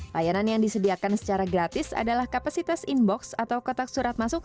layanan yang disediakan secara gratis adalah kapasitas inbox atau kotak surat masuk